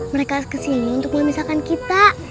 mereka kesini untuk memisahkan kita